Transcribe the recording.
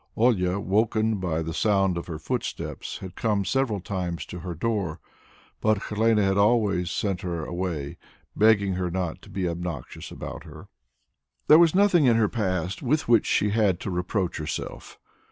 Olia, woken by the sound of her footsteps, had come several times to her door; but Helene had always sent her away, begging her not to be anxious about her. There was nothing in her past with which she had to reproach herself.